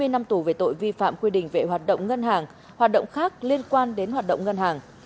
hai mươi năm tù về tội vi phạm quy định về hoạt động ngân hàng hoạt động khác liên quan đến hoạt động ngân hàng